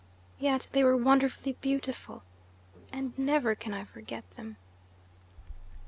Yet they were wonderfully beautiful, and never can I forget them!"